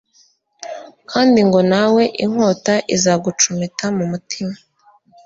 kandi ngo nawe inkota izagucumita mu mutima: